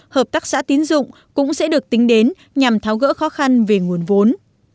hợp tác xã tín dụng cũng sẽ được tính đến nhằm tháo gỡ khó khăn về nguồn vốn